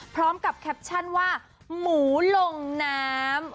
พร้อมกับแคปชั่นว่าหมูลงน้ำ